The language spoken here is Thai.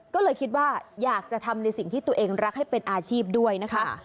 ก็เลยคิดว่าอยากจะทำในสิ่งที่ตัวเองรักให้เป็นอาชีพด้วยนะคะ